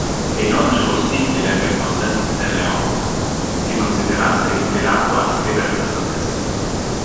È inoltre possibile che Moses de Leon si considerasse ispirato a scrivere questo testo.